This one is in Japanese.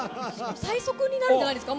最速になるんじゃないですか？